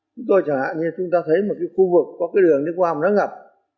chúng tôi chẳng hạn như chúng ta thấy một cái khu vực có cái đường nước hoa hồng nó ngập